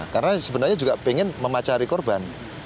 karena sebenarnya juga ingin memacari korban